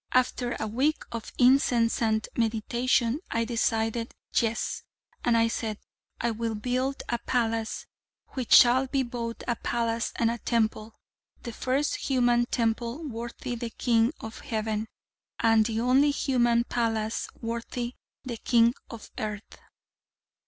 After a week of incessant meditation, I decided Yes: and I said: I will build a palace, which shall be both a palace and a temple: the first human temple worthy the King of Heaven, and the only human palace worthy the King of Earth.